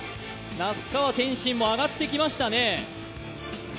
那須川天心も上がってきましたね。